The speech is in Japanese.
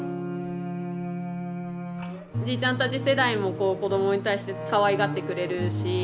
じいちゃんたち世代もこう子どもに対してかわいがってくれるし。